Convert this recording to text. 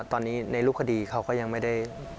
ตอนนี้ในรูปคดีเขาก็ยังไม่ได้